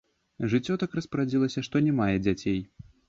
Жыццё так распарадзілася, што не мае дзяцей.